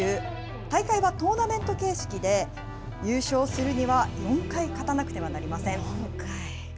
大会はトーナメント形式で、優勝するには４回勝たなくてはなりません。